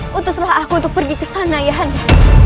putuslah aku untuk pergi ke sana ya hanya